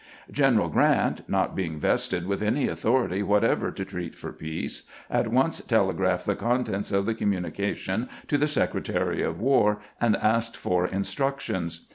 Greneral Grrant, not being vested with any authority whatever to treat for peace, at once telegraphed the contents of the communication to the Secretary of "War, and asked for instructions.